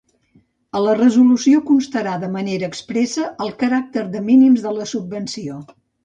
A la resolució constarà de manera expressa el caràcter de minimis de la subvenció.